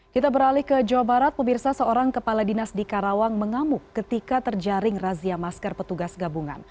kita beralih ke jawa barat pemirsa seorang kepala dinas di karawang mengamuk ketika terjaring razia masker petugas gabungan